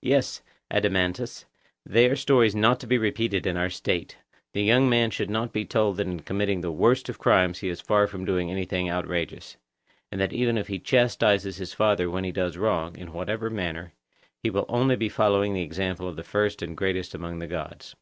Yes, Adeimantus, they are stories not to be repeated in our State; the young man should not be told that in committing the worst of crimes he is far from doing anything outrageous; and that even if he chastises his father when he does wrong, in whatever manner, he will only be following the example of the first and greatest among the gods.